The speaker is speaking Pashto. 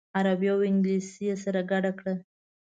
عربي او انګلیسي یې سره ګډه کړه.